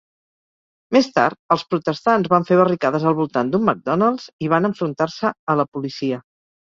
Més tard els protestants van fer barricades al voltant d'un McDonald's i van enfrontar-se a la policia.